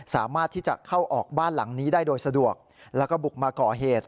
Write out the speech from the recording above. สามารถที่จะเข้าออกบ้านหลังนี้ได้โดยสะดวกแล้วก็บุกมาก่อเหตุ